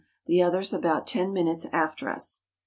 the others about ten minutes after us.